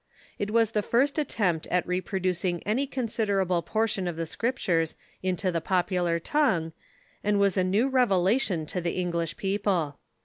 It was the first attempt Enqi'ish*'Bibie ^^ reproducing any considerable portion of the Scriptures into the popular tongue, and was a new revelation to the English people.